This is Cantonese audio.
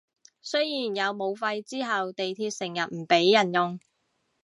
雖然有武肺之後地鐵成日唔畀人用